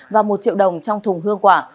và một triệu đồng trong thùng hương quả